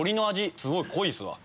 すごい濃いっすわ。